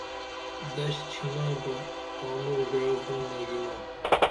دش ڇھنا بہ تانو گعو بُن نگینا